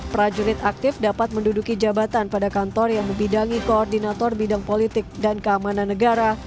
prajurit aktif dapat menduduki jabatan pada kantor yang membidangi koordinator bidang politik dan keamanan negara